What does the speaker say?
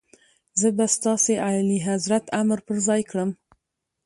زه به ستاسي اعلیحضرت امر پر ځای کوم.